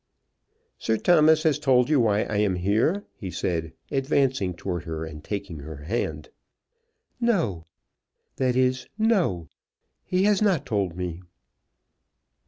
"Sir Thomas has told you why I am here?" he said, advancing towards her, and taking her hand. "No; that is; no. He has not told me."